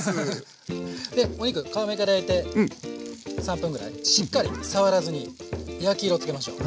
でお肉皮目から焼いて３分ぐらいしっかり触らずに焼き色つけましょう。